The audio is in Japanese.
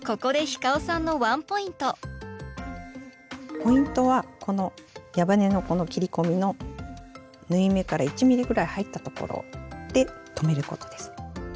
ここでポイントはこの矢羽根のこの切り込みの縫い目から１ｍｍくらい入ったところで止めることです。